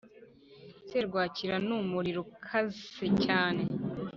Serwakira numuriro ukase cyane